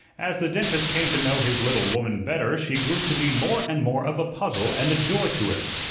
As the dentist came to know his little woman better she grew to be more and more of a puzzle and a joy to him.